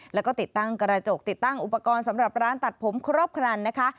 แล้วก็ติดตั้งกระจกติดตั้งอุปกรณ์สำหรับร้านตัดผมครอบครันนะคะ